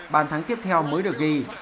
bàn thắng tiếp theo mới được ghi